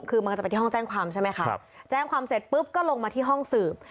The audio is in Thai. คือมันก็จะไปที่ห้องแจ้งความใช่ไหมคะครับแจ้งความเสร็จปุ๊บก็ลงมาที่ห้องสืบ